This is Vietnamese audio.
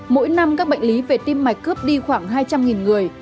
mỗi năm các bệnh lý về tim mạch cướp đi khoảng hai trăm linh người